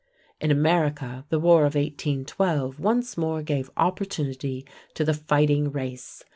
In America, the War of 1812 once more gave opportunity to the Fighting Race.